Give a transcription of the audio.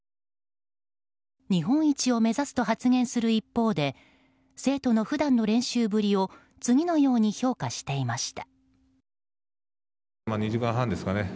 日本一を目指すと発言する一方で生徒の普段の練習ぶりを次のように評価していました。